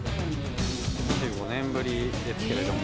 ２５年ぶりですけれども。